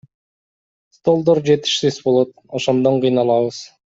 Столдор жетишсиз болот, ошондон кыйналабыз.